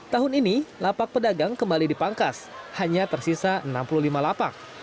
tahun ini lapak pedagang kembali dipangkas hanya tersisa enam puluh lima lapak